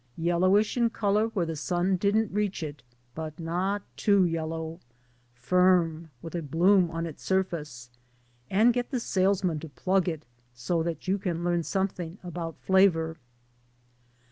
Yellowish in color where the sun didn't reach it, tut not too yellow. Firm, with a bloom on its surface. And get the salesman' to plug it so that you can learn something about flavor.